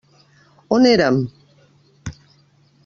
On érem?